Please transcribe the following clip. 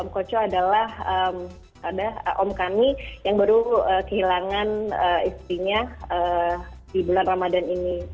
om kocoh adalah om kami yang baru kehilangan istrinya di bulan ramadhan ini